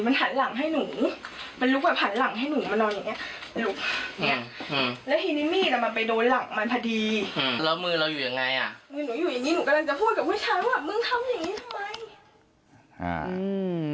อย่างงี้หนูกำลังจะพูดกับผู้ชายว่ามึงทำอย่างงี้ทำไมอ่าฮืม